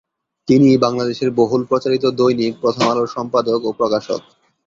তিনি বাংলাদেশের বহুল প্রচারিত দৈনিক প্রথম আলোর সম্পাদক ও প্রকাশক।